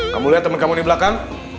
kamu lihat teman kamu di belakang